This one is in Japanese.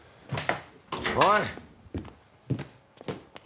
おい！